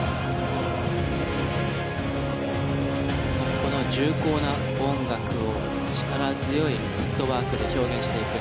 この重厚な音楽を力強いフットワークで表現していく。